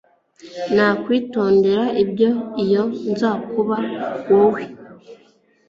Nakwitondera ibyo iyo nza kuba wowe.